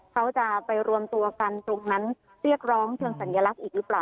เขาจะไปรวมตัวกันตรงนั้นเรียกร้องเชิงสัญลักษณ์อีกหรือเปล่า